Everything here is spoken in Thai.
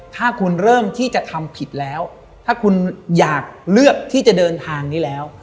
ถ้าคุณเริ่มที่จะทำผิดแล้วถ้าคุณอยากเลือกที่จะเดินทางนี้แล้ว